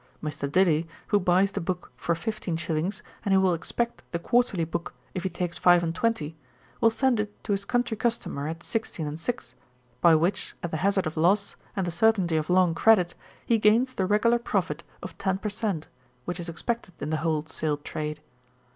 'Mr. Dilly, who buys the book for fifteen shillings, and who will expect the quarterly book if he takes five and twenty, will send it to his country customer at sixteen and six, by which, at the hazard of loss, and the certainty of long credit, he gains the regular profit of ten per cent, which is expected in the wholesale trade.